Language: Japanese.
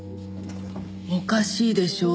おかしいでしょ？